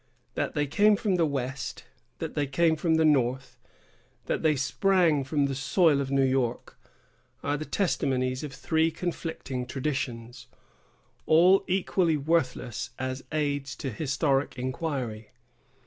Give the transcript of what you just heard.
That they came from the west; that they came from the north; that they sprang from the soil of New York, are the testimonies of three conflicting traditions, all equally worthless as aids to historic inquiry.